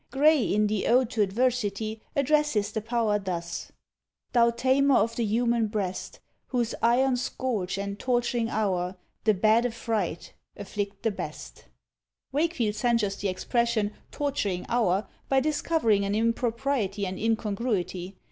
Gray, in the "Ode to Adversity," addresses the power thus, Thou tamer of the human breast, Whose IRON SCOURGE and TORTURING HOUR The bad affright, afflict the best. Wakefield censures the expression "torturing hour," by discovering an impropriety and incongruity.